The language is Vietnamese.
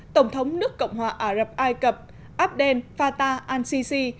tổng thống nước cộng hòa ả rập ai cập abdel fatah al sisi